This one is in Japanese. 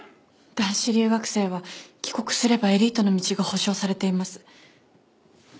男子留学生は帰国すればエリートの道が保証されています。